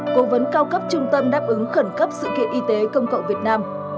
cố vấn cao cấp trung tâm đáp ứng khẩn cấp sự kiện y tế công cộng việt nam